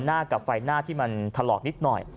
หน้ากับไฟหน้าที่มันถลอกนิดหน่อย